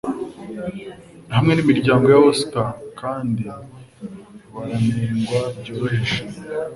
hamwe nimihango ya Oscar kandi baranengwa byoroheje